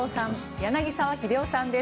柳澤秀夫さんです。